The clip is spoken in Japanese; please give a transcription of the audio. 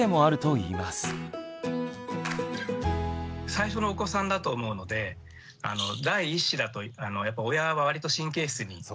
最初のお子さんだと思うので第一子だとやっぱ親は割と神経質になるんですね。